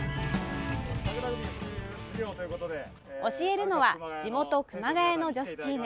教えるのは地元・熊谷の女子チーム